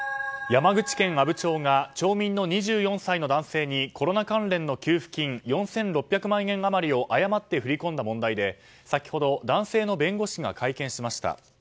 山口県阿武町が町民の２４歳の男性にコロナ関連の給付金４６００万円余りを誤って振り込んだ問題で、先ほど男性の弁護士が会見しました。